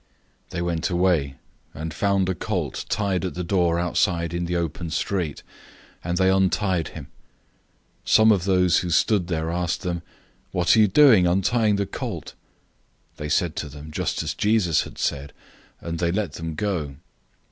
011:004 They went away, and found a young donkey tied at the door outside in the open street, and they untied him. 011:005 Some of those who stood there asked them, "What are you doing, untying the young donkey?" 011:006 They said to them just as Jesus had said, and they let them go.